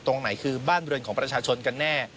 ตรงไหนคือบ้านเรือนของประชาชนกันแน่